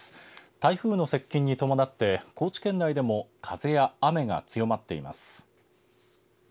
台風の接近に伴って高知県内でも風や雨が強まっています。